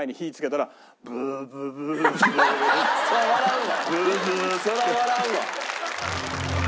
そら笑うわ。